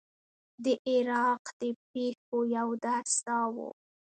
د عراق د پېښو یو درس دا و.